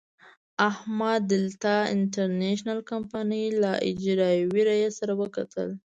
احمد د دلتا انټرنشنل کمينۍ له اجرائیوي رئیس سره وکتل.